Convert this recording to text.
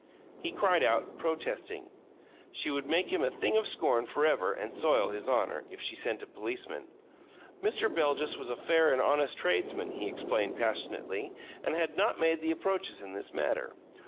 He cried out, protesting. She would make him a thing of scorn forever and soil his honor, if she sent a policeman. Mr. Beljus was a fair and honest tradesman, he explained, passionately, and had not made the approaches in this matter.